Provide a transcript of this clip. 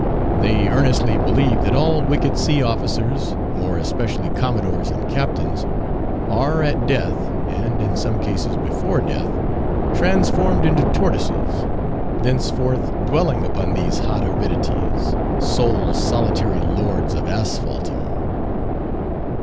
They earnestly believe that all wicked sea officers, more especially commodores and captains, are at death (and, in some cases, before death) transformed into tortoises; thenceforth dwelling upon these hot aridities, sole solitary lords of Asphaltum.